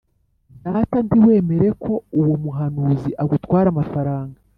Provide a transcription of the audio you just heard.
Data ntiwemere ko uwo muhanuzi agutwara amafaranga